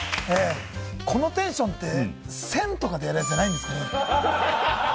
このテンションって、１０００とかでやることじゃないんですかね。